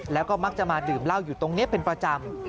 แล้วก็มักจะมาดื่มเหล้าอยู่ตรงนี้เป็นประจำ